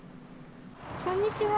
こんにちは。